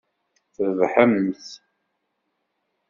Trebḥemt.